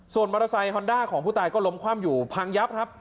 ส่วนมอเตอร์ไซคอนด้าของผู้ตายก็ล้มคว่ำอยู่พังยับครับ